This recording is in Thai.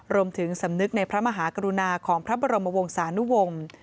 รวมถึงสำนึกในพระมหากรุณาของพระบรมวงศานุวม